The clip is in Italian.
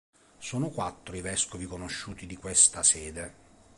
Sono quattro i vescovi conosciuti di questa sede.